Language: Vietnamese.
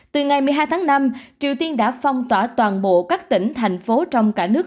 từ ngày một mươi hai tháng năm triều tiên đã phong tỏa toàn bộ các tỉnh thành phố trong cả nước